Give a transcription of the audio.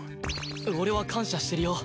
俺は感謝してるよ